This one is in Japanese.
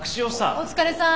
お疲れさん。